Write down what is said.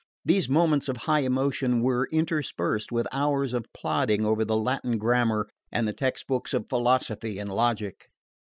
These moments of high emotion were interspersed with hours of plodding over the Latin grammar and the textbooks of philosophy and logic.